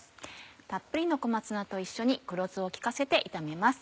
たっぷりの小松菜と一緒に黒酢を利かせて炒めます。